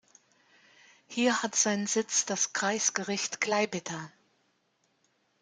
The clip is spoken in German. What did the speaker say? Hier hat seinen Sitz das Kreisgericht Klaipėda.